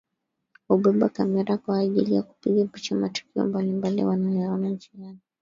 Hubeba kamera kwaajili ya kupiga picha matukio mbalimbali wanayoyaona njiani